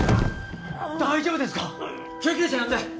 大丈夫ですか？救急車呼んで